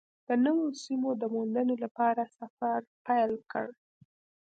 د نویو سیمو د موندنې لپاره سفر پیل کړ.